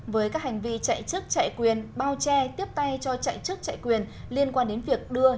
với các hành vi chạy chức chạy quyền bao che tiếp tay cho chạy chức chạy quyền liên quan đến việc đưa